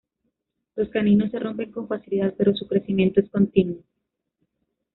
Los caninos se rompen con facilidad pero su crecimiento es continuo.